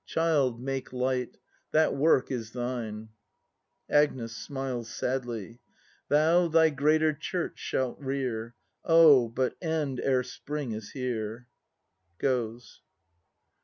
] Child, make light: that work is thine. Agnes. [Smiles sadly.] Thou thy greater Church shalt rear: Oh — but end ere Spring is here! [Goes.